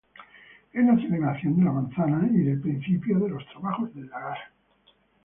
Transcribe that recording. Es la celebración de la manzana y del principio de los trabajos del lagar.